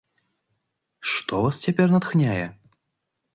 Што вас цяпер натхняе?